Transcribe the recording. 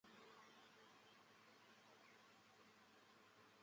本站是所在的快铁支线上唯一一个站台分离的车站。